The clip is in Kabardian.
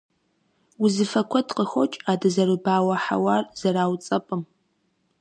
Узыфэ куэд къыхокӀ а дызэрыбауэ хьэуар зэрауцӀэпӀым.